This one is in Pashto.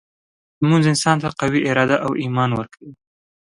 لمونځ انسان ته قوي اراده او ایمان ورکوي.